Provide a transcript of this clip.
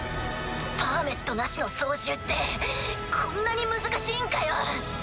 パーメットなしの操縦ってこんなに難しいんかよ。